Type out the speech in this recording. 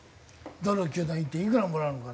どの球団行っていくらもらうのか。